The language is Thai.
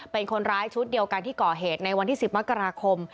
เป็นคนร้ายชุดเดียวกันที่ก่อเหตุในวันที่๑๐มกราคม